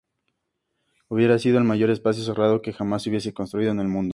Hubiera sido el mayor espacio cerrado que jamás se hubiese construido en el mundo.